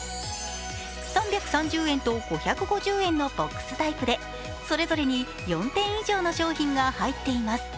３３０円と５５０円のボックスタイプでそれぞれに４点以上の商品が入っています。